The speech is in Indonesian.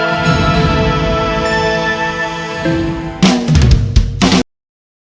akang akan kembali ke tempat yang sama